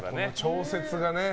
調節がね。